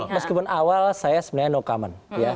meskipun awal saya sebenarnya no comment